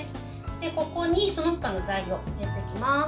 ここに、そのほかの材料を入れてきます。